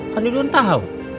kan yuyun tau